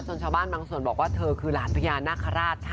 ชาวบ้านบางส่วนบอกว่าเธอคือหลานพญานาคาราชค่ะ